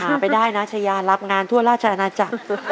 อ่ะไปได้นะฉะยารับงานทั่วล่าฉะอะนะจ๊ะ